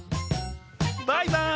バイバーイ！